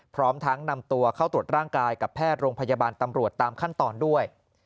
พร้อมทั้งนำตัวเข้าตรวจร่างกายกับแพทย์โรงพยาบาลตำรวจตามขั้นตอนด้วย